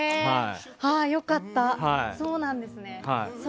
良かった、そうなんですね。